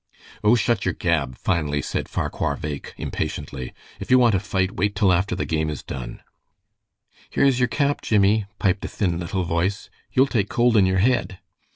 "O, shut your gab!" finally said Farquhar Bheg, impatiently. "If you want to fight, wait till after the game is done." "Here's your cap, Jimmie," piped a thin, little voice. "You'll take cold in your head."